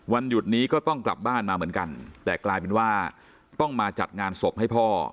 หยุดนี้ก็ต้องกลับบ้านมาเหมือนกันแต่กลายเป็นว่าต้องมาจัดงานศพให้พ่อ